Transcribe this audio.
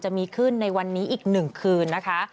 จะมีขึ้นในวันนี้อีก๑คืนนะคะ